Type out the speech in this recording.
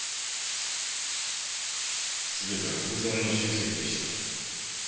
すべては偶然の集積でした。